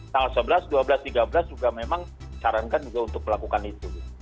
tanggal sebelas dua belas tiga belas juga memang disarankan juga untuk melakukan itu